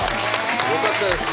すごかったですね。